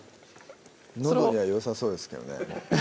のどにはよさそうですけどね